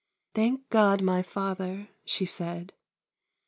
" Thank God, my father," she said.